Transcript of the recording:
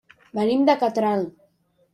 Venim de Catral.